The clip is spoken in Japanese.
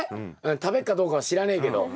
食べっかどうかは知らねえけど。